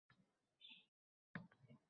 Bunda yolriz